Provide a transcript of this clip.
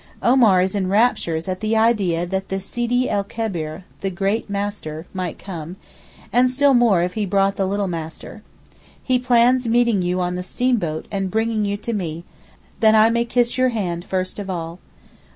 Omar is in raptures at the idea that the Sidi el Kebir (the Great Master) might come, and still more if he brought the 'little master.' He plans meeting you on the steamboat and bringing you to me, that I may kiss your hand first of all.